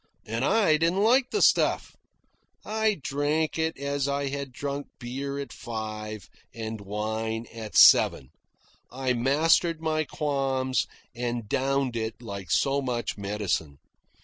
And I didn't like the stuff. I drank it as I had drunk beer at five, and wine at seven. I mastered my qualms and downed it like so much medicine.